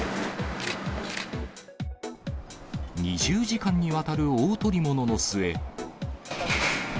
２０時間にわたる大捕り物の末。